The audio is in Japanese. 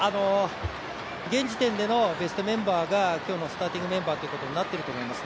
現時点でのベストメンバーが今日のスターティングメンバーということになっていると思います。